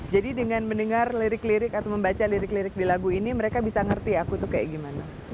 jadi dengan mendengar lirik lirik atau membaca lirik lirik di lagu ini mereka bisa ngerti aku itu kayak gimana